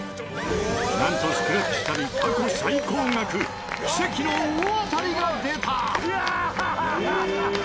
なんとスクラッチ旅過去最高額奇跡の大当たりが出た！